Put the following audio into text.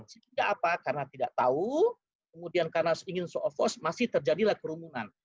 sehingga apa karena tidak tahu kemudian karena ingin show of force masih terjadilah kerumunan